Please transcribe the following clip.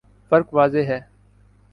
فرق واضح ہے۔